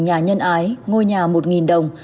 nhà nhân ái ngôi nhà một đồng